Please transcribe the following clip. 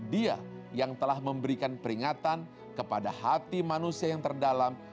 dia yang telah memberikan peringatan kepada hati manusia yang terdalam